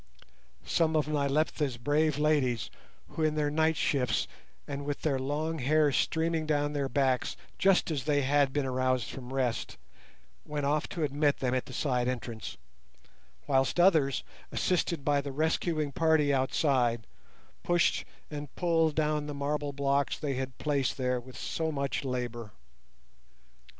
Some of Nyleptha's brave ladies, who in their night shifts and with their long hair streaming down their backs, just as they had been aroused from rest, went off to admit them at the side entrance, whilst others, assisted by the rescuing party outside, pushed and pulled down the marble blocks they had placed there with so much labour.